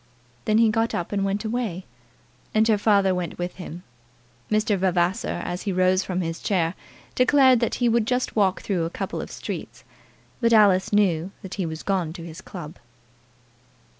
Then he got up and went away, and her father went with him. Mr. Vavasor, as he rose from his chair, declared that he would just walk through a couple of streets; but Alice knew that he was gone to his club.